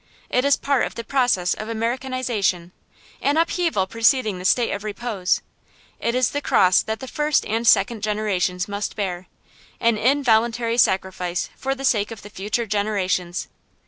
It is part of the process of Americanization; an upheaval preceding the state of repose. It is the cross that the first and second generations must bear, an involuntary sacrifice for the sake of the future generations.